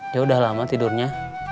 dia udah lama tidurnya